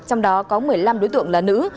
trong đó có một mươi năm đối tượng là nữ